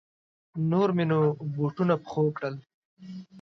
نور مې نو بوټونه په پښو کړل.